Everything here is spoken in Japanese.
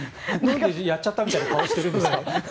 やっちゃったみたいな顔をしているんですか。